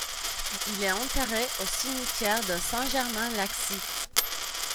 Il est enterré au cimetière de Saint-Germain-Laxis.